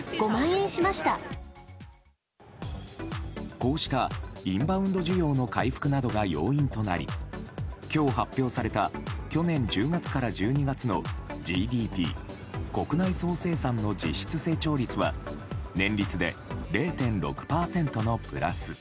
こうしたインバウンド需要の回復などが要因となり今日発表された去年１０月から１２月のＧＤＰ・国内総生産の実質成長率は年率で０．６％のプラス。